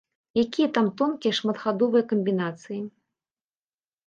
Якія там тонкія шматхадовыя камбінацыі?